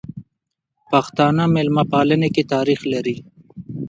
پښتانه ميلمه پالنې کی تاریخ لري.